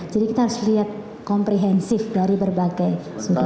jadi kita harus lihat komprehensif dari berbagai sudut